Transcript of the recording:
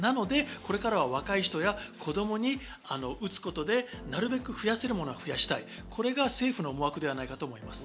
これからは若い人や子供に打つことでなるべく増やせるものを増やしたい、これが政府の思惑ではないかと思います。